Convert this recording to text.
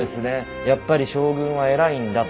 やっぱり将軍は偉いんだと。